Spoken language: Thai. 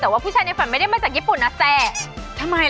แต่ว่าผู้ชายในฝั่งไม่ได้มาจากญี่ปุ่นน่ะจั๊ะ